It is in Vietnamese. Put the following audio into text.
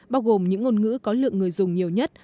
bao gồm những ngôn ngữ có lượng người dùng nhiều nhất